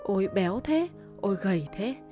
ôi béo thế ôi gầy thế